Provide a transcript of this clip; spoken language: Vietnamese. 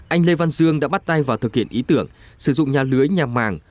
anh lê văn dương đã bắt tay vào thực hiện ý tưởng sử dụng nhà lưới nhà màng